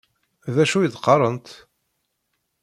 D acu i d-qqarent?